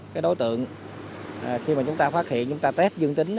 khi mà chúng ta phát hiện chúng ta test dương tính